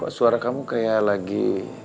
suara kamu kayak lagi